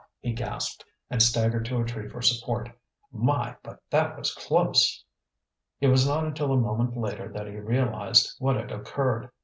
he gasped, and staggered to a tree for support. "My, but that was close!" It was not until a moment later that he realized what had occurred.